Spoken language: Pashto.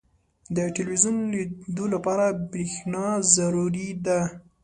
• د ټلویزیون لیدو لپاره برېښنا ضروري ده.